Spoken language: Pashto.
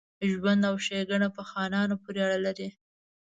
ژوند او ښېګڼه په خانانو پوري اړه لري.